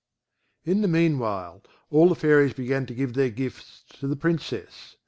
In the mean while all the Fairies began to give their gifts to the Princess.